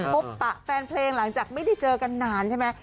ปะแฟนเพลงหลังจากไม่ได้เจอกันนานใช่ไหม